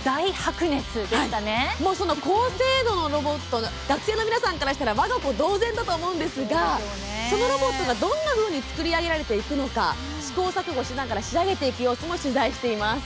高性能のロボット学生の皆さんにとってわが子同然のロボットだと思うんですがそのロボットがどんなふうに作り上げていくのか試行錯誤しながら仕上げていく姿も取材しています。